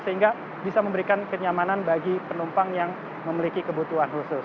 sehingga bisa memberikan kenyamanan bagi penumpang yang memiliki kebutuhan khusus